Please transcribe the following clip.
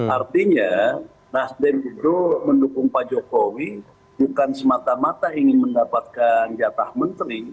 artinya nasdem itu mendukung pak jokowi bukan semata mata ingin mendapatkan jatah menteri